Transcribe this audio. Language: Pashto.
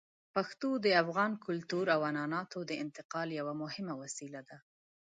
پښتو د افغان کلتور او عنعناتو د انتقال یوه مهمه وسیله ده.